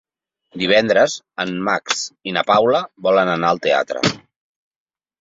Divendres en Max i na Paula volen anar al teatre.